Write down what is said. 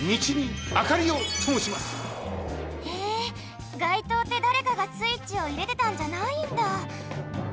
へえがいとうってだれかがスイッチをいれてたんじゃないんだ！